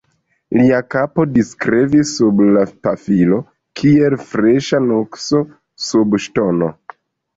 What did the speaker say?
Lia kapo diskrevis sub la pafilo kiel freŝa nukso sub ŝtono.